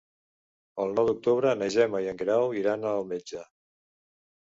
El nou d'octubre na Gemma i en Guerau iran al metge.